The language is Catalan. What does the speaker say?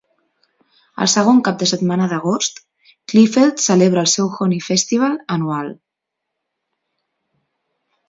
El segon cap de setmana d'agost, Kleefeld celebra el seu Honey Festival anual.